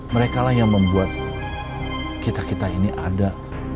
mereka lah yang membuat kita kita ini ada